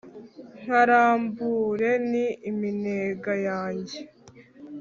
nkarambure ni iminega yanjye